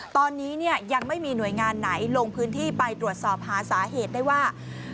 ตอนนี้ยังไม่มีหน่วยงานไหนลงพื้นที่ไปตรวจสอบหาสาเหตุได้ว่า